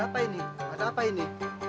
apa ini ada apa ini